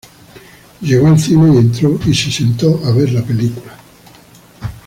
Llegó al cine y entró y se sentó a ver la película.